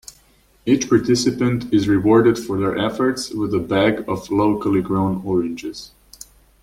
Each participant is rewarded for their efforts with a bag of locally grown oranges.